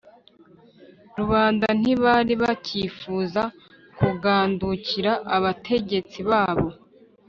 rubanda ntibari bacyifuza kugandukira abategetsi babo